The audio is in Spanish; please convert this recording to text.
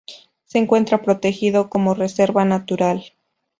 Se encuentra protegido como reserva natural.